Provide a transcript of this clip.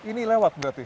ini lewat berarti